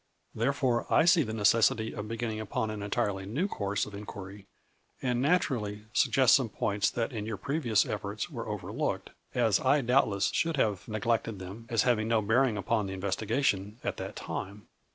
Therefore, I see the necessity of beginning upon an entirely new course of in quiry, and naturally suggest some points that in your previous efforts were overlooked, as I doubtless should also have neglected them, as having no bearing upon the investigation, at that time.